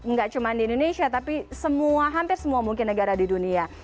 nggak cuma di indonesia tapi hampir semua mungkin negara di dunia